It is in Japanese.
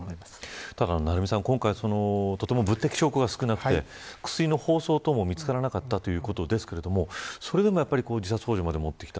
今回、物的証拠が少なくて薬の包装なども見つからなかったということですがそれでも自殺ほう助までもってきた。